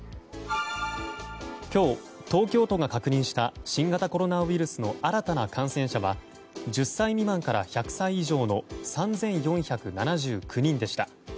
今日、東京都が確認した新型コロナウイルスの新たな感染者は１０歳未満から１００歳以上の３４７９人でした。